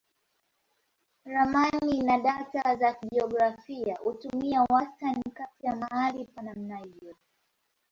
Ramani na data za kijiografia hutumia wastani kati ya mahali pa namna hiyo.